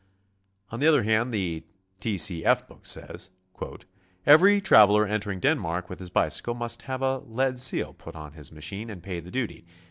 On the other hand, the T. C. F. book says: "Every traveler entering Den mark with his bicycle must have a lead seal put on his ma chine and pay the duty.